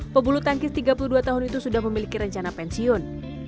pebulu tangkis tiga puluh dua tahun itu sudah memiliki rencana pensiun